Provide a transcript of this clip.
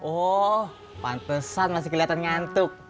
oh pantesan masih kelihatan ngantuk